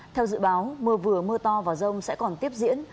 theo dự báo mưa vừa mưa to và rông sẽ còn tiếp diễn